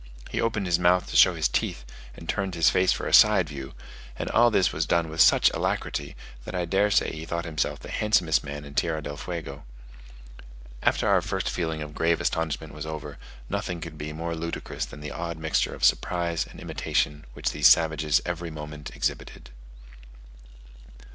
He opened his mouth to show his teeth, and turned his face for a side view; and all this was done with such alacrity, that I dare say he thought himself the handsomest man in Tierra del Fuego. After our first feeling of grave astonishment was over, nothing could be more ludicrous than the odd mixture of surprise and imitation which these savages every moment exhibited.